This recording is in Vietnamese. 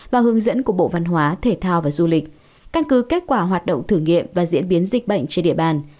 và hướng dẫn của bộ văn hóa thể thao và du lịch căn cứ kết quả hoạt động thử nghiệm và diễn biến dịch bệnh trên địa bàn